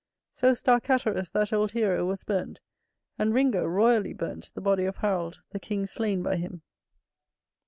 So Starkatterus, that old hero, was burnt, and Ringo royally burnt the body of Harold the king slain by him.